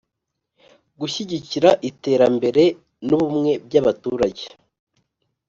Gushyigikira iterambere n’ ubumwe by’ abaturage